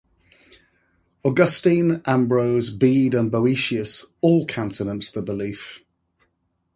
Augustine, Ambrose, Bede, and Boetius all countenanced the belief.